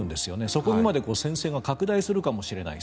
そこにまで戦線が拡大するかもしれない。